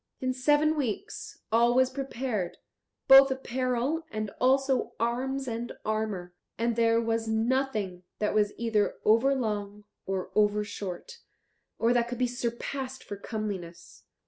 In seven weeks all was prepared, both apparel and also arms and armour; and there was nothing that was either over long or over short, or that could be surpassed for comeliness.